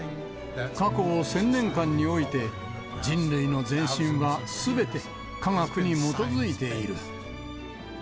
過去１０００年間において、人類の前進はすべて科学に基づいている。